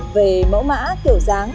về mẫu mã kiểu dáng